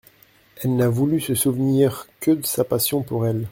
Elle n'a voulu se souvenir que de sa passion pour elle.